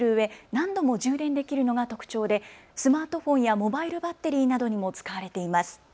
何度も充電できるのが特徴でスマートフォンやモバイルバッテリーなどにも使われています。